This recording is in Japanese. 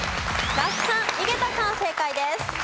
那須さん井桁さん正解です。